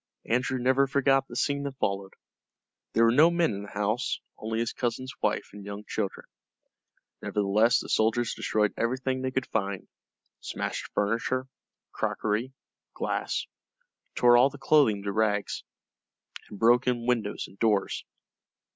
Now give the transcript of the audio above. Andrew never forgot the scene that followed. There were no men in the house, only his cousin's wife and young children. Nevertheless the soldiers destroyed everything they could find, smashed furniture, crockery, glass, tore all the clothing to rags, and broke in windows and doors.